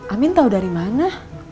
amin tau dari mana